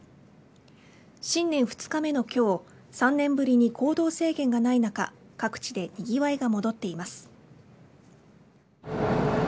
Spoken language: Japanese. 新年２日目の今日３年ぶりに行動制限がない中各地でにぎわいが戻っています。